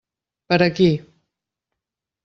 Per aquí.